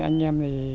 anh em thì